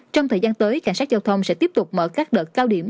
trong thời gian tới cảnh sát giao thông sẽ tiếp tục mở các đợt cao điểm